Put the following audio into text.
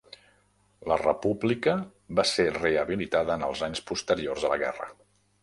La República va ser rehabilitada en els anys posteriors a la guerra.